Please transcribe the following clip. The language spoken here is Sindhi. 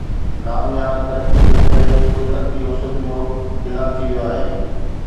نام نهاد ترقيءَ جي ڪري قدرتي حسن جو گلا ٿي ويو آهي